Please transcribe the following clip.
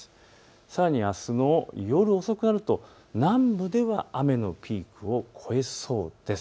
さらにあすの夜、遅くなると南部では雨のピークを越えそうです。